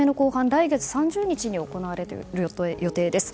来月３０日に行われる予定です。